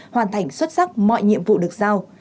hoàn thành xuất sắc mọi nhiệm vụ được sao